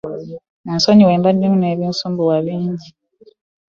Musonyiwe mbaddemu nebinsumbuwa bingi.